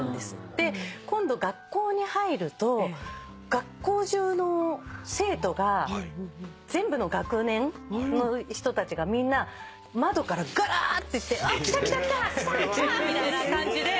で今度学校に入ると学校中の生徒が全部の学年の人たちがみんな窓からがっていって「あっ来た来た来た来た！」みたいな感じで。